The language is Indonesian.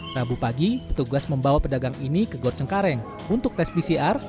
rabu pagi petugas membawa pedagang ini ke gor cengkareng untuk tes pcr